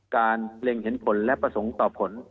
เล็งเห็นผลและประสงค์ต่อผล